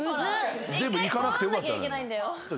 全部いかなくてよかった。